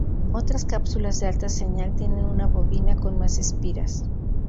Otras cápsulas de alta señal tienen una bobina con más espiras.